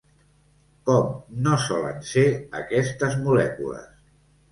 Com no solen ser aquestes molècules?